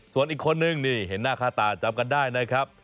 ส่วนอีกคนนึงนี่เห็นหน้าค่าตาจำกันได้นะครับ